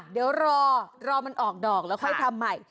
เดี๋ยวรอรอมันออกดอกแล้วค่อยทำใหม่